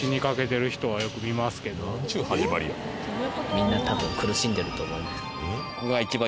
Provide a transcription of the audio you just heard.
みんなたぶん苦しんでると思いますえっ？